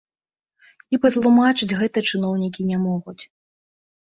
І патлумачыць гэта чыноўнікі не могуць.